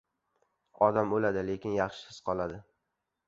• Odam o‘ladi, lekin yaxshi so‘zi qoladi.